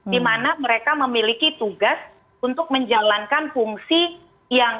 di mana mereka memiliki tugas untuk menjalankan fungsi yang